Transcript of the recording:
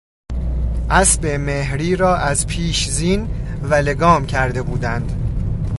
اسب مهری را از پیش زین و لگام کرده بودند.